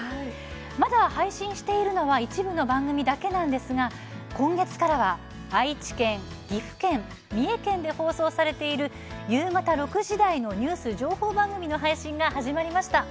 まだ配信しているのは一部の番組だけなんですが今月からは愛知県、岐阜県三重県で放送されている夕方６時台のニュース情報番組の配信が始まりました。